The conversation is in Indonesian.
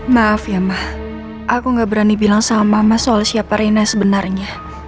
maaf ya ma aku nggak berani bilang sama mama soal siapa rena sebenarnya